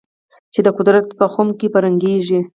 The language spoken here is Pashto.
چې د قدرت په خُم کې به رنګېږي.